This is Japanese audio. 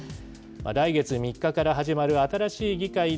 来月３日から始まる新しい議会で、